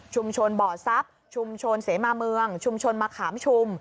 บ่อทรัพย์ชุมชนเสมาเมืองชุมชนมะขามชุม